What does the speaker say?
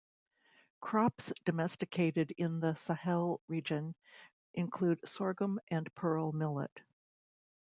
Crops domesticated in the Sahel region include sorghum and pearl millet.